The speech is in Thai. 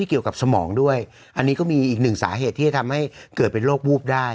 สมองด้วยอันนี้ก็มีอีกหนึ่งสาเหตุที่จะทำให้เกิดเป็นโรควูบได้